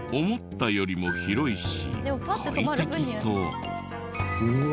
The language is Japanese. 思ったよりも広いし快適そう。